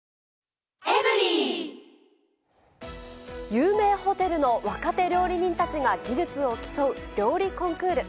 有名ホテルの若手料理人たちが技術を競う料理コンクール。